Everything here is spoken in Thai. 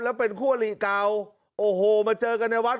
แล้วเป็นคู่อลิเก่าโอ้โหมาเจอกันในวัด